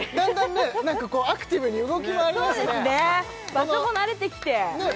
場所も慣れてきてねえ